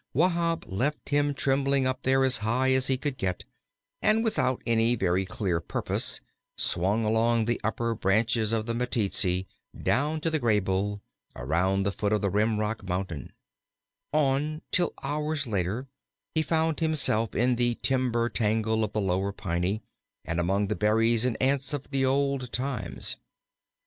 Wahb left him trembling up there as high as he could get, and without any very clear purpose swung along the upper benches of the Meteetsee down to the Graybull, around the foot of the Rimrock Mountain; on, till hours later he found himself in the timber tangle of the Lower Piney, and among the berries and ants of the old times.